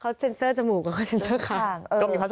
เขาเซ็นเซอร์จมูกกับเขาเซ็นเซอร์ข้าง